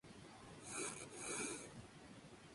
Juan Carlos Cáceres se destacó como pianista y trompetista.